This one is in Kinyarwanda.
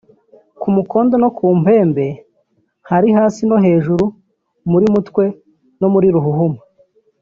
ku mukondo no ku mpembe); hari “hasi no hejuru” (muri mutwe no muri ruhuhuma)